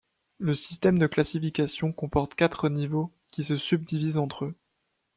Le système de classification comporte quatre niveaux qui se subdivisent entre eux.